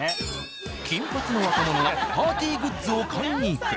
金髪の若者がパーティーグッズを買いに行く。